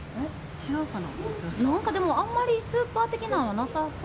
違うかな。